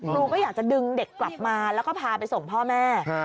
ก็อยากจะดึงเด็กกลับมาแล้วก็พาไปส่งพ่อแม่